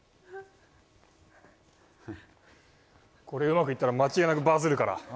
これうまくいったら間違いなくバズるから。